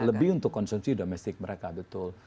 lebih untuk konsumsi domestik mereka betul